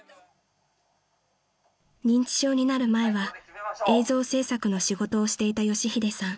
［認知症になる前は映像制作の仕事をしていた佳秀さん］